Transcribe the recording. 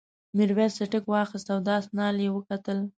میرويس څټک واخیست او د آس نال یې وکتل.